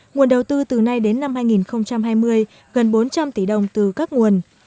nguồn đầu tư từ nay đến năm hai nghìn hai mươi gần bốn trăm linh tỷ đồng từ các nguồn